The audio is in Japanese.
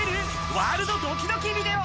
ワールドドキドキビデオ。